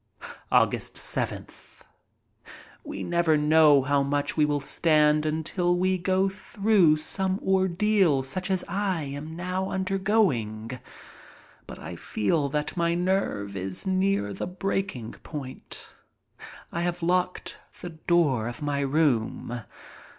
Aug. 7th. We never know how much we can stand until we go through some ordeal such as I am now undergoing. But I feel that my nerve is near the breaking point. I have locked the door of my room.